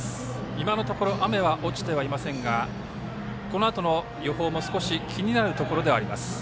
今のところ雨は落ちていませんがこのあとの予報も少し気になるところではあります。